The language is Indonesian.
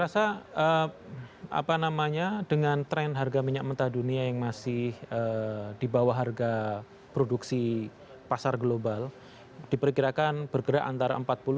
saya rasa dengan tren harga minyak mentah dunia yang masih di bawah harga produksi pasar global diperkirakan bergerak antara empat puluh sampai lima puluh usd per barrel